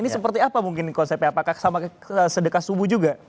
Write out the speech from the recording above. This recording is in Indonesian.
ini seperti apa mungkin konsepnya apakah sama sedekah subuh juga